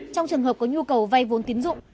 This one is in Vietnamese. trong trường hợp có nhu cầu vay vốn tiến dụng